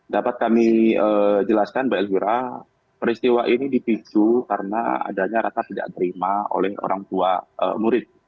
dapat kami jelaskan mbak elvira peristiwa ini dipicu karena adanya rasa tidak terima oleh orang tua murid